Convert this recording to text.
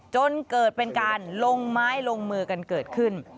จนเกิดเป็นการลงไม้ลงมือกันเกิดขึ้น